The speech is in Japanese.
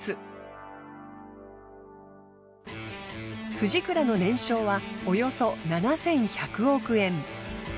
フジクラの年商はおよそ７，１００億円。